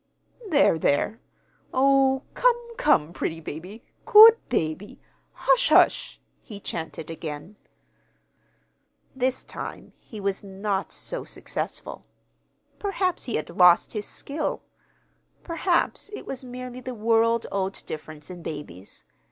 "There, there! Oh, come, come, pretty baby, good baby, hush, hush," he chanted again. This time he was not so successful. Perhaps he had lost his skill. Perhaps it was merely the world old difference in babies.